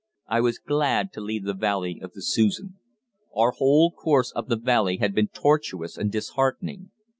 I was glad to leave the valley of the Susan. Our whole course up the valley had been torturous and disheartening.